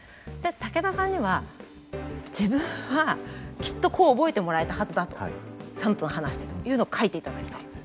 で武田さんには自分はきっとこう覚えてもらえたはずだと３分話してというのを書いていただきたい。